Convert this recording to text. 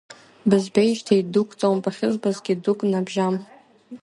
Бызбеижьҭеи дук ҵом, бахьызбазгьы дук набжьам…